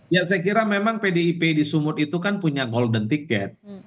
ya saya kira memang pdip di sumut itu kan punya golden ticket